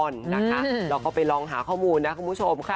เราก็ไปลองหาข้อมูลนะคุณผู้ชมค่ะ